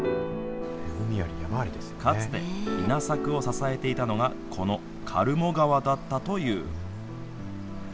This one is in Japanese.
かつて、稲作を支えていたのが、この苅藻川だったという。